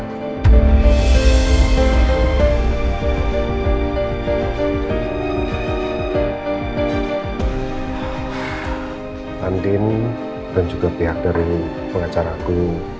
tantin dan juga pihak dari pengacara aku